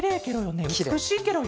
うつくしいケロよ。